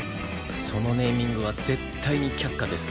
そのネーミングは絶対に却下ですけど。